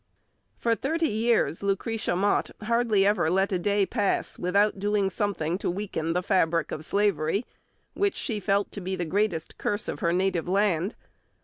For thirty years Lucretia Mott hardly ever let a day pass without doing something to weaken the fabric of slavery, which she felt to be the greatest curse of her native land.